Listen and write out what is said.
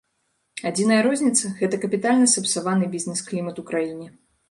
Адзіная розніца, гэта капітальна сапсаваны бізнес-клімат у краіне.